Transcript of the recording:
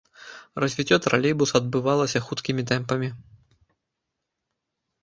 Развіццё тралейбуса адбывалася хуткімі тэмпамі.